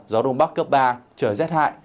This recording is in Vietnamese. gió đông bắc cấp ba trời rét hại